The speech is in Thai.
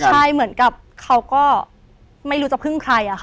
ใช่เหมือนกับเขาก็ไม่รู้จะพึ่งใครอะค่ะ